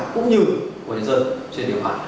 cũng như của nhân dân trên điều hành